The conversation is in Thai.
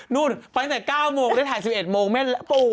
นู่นไปตั้งแต่๙โมงแล้วถ่าย๑๑โมงแม่ปู